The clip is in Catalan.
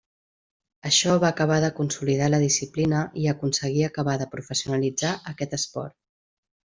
Això va acabar de consolidar la disciplina i aconseguí acabar de professionalitzar aquest esport.